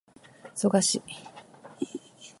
我孫子